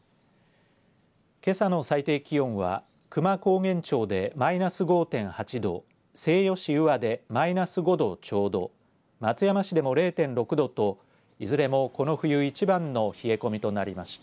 けさの最低気温は久万高原町でマイナス５．８度西予市宇和でマイナス５度ちょうど松山市でも０．６度といずれもこの冬一番の冷え込みとなりました。